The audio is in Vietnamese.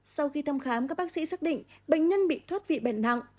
sau khi thăm khám các bác sĩ xác định bệnh nhân bị thoát vị bệnh nặng